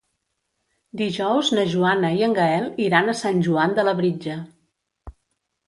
Dijous na Joana i en Gaël iran a Sant Joan de Labritja.